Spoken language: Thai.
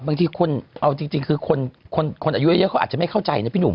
บางทีคนเอาจริงคือคนอายุเยอะเขาอาจจะไม่เข้าใจนะพี่หนุ่ม